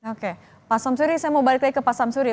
oke pak samsuri saya mau balik lagi ke pak samsuri